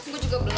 gue juga belum